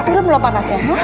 belum loh panasnya